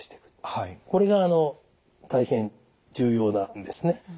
これが大変重要なんですね。